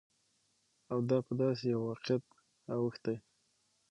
او دا په داسې يوه واقعيت اوښتى،